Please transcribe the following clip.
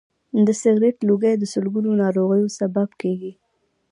د سګرټ لوګی د سلګونو ناروغیو سبب کېږي.